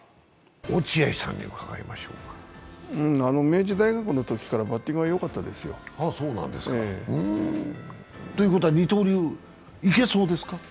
明治大学のときからバッティングはよかったですよ。ということは二刀流、いけそうですか？